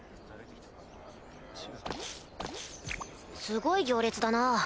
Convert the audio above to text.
すごい行列だなぁ。